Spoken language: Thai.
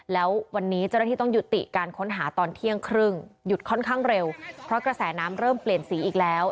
แล้ววันนี้เจ้าหน้าที่ต้องยุติการค้นหาตอนเที่ยงครึ่งหยุดค่อนข้างเร็วเพราะกระแสน้ำเริ่มเปลี่ยนสีอีกแล้ว